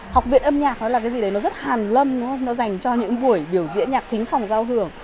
học viện âm nhạc nó là cái gì đấy nó rất hàn lâm nó dành cho những buổi biểu diễn nhạc thính phòng giao hưởng